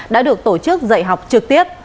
đã được tổ chức dạy học trực tiếp